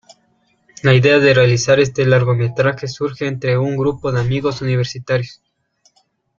La idea de realizar este largometraje surge entre un grupo de amigos universitarios.